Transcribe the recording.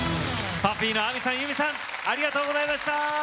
ＰＵＦＦＹの亜美さん、由美さんありがとうございました。